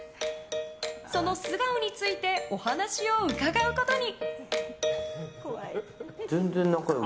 その素顔についてお話を伺うことに。